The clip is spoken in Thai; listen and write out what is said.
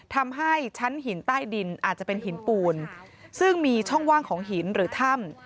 ทำให้ชั้นหินใต้ดินอาจจะเป็นหินปูนซึ่งมีช่องว่างของหินหรือถ้ำ